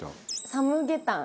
サムゲタン。